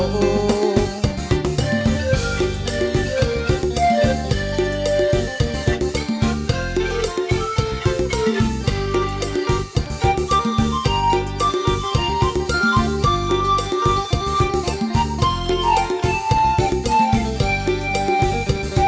ผู้สาวแก้มแดงเคียงคู่ไปกับเขา